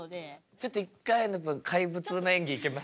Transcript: ちょっと一回怪物の演技いけます？